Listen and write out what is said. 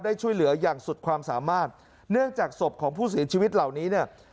ช่วยเหลืออย่างสุดความสามารถเนื่องจากศพของผู้เสียชีวิตเหล่านี้เนี่ย